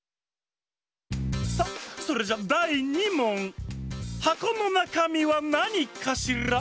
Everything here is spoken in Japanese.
さあそれじゃだい２もん！はこのなかみはなにかしら？